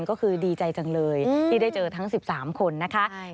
ก็คือดีใจจังเลยที่ได้เจอทั้ง๑๓คนนะคะ